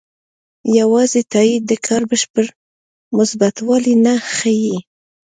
یوازې تایید د کار بشپړ مثبتوالی نه ښيي.